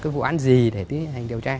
vụ án gì để tiến hành điều tra